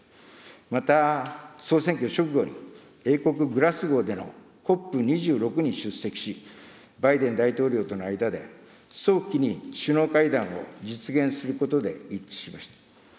また、総選挙直後に、英国・グラスゴーでのＣＯＰ２６に出席し、バイデン大統領との間で、早期に首脳会談を実現することで一致しました。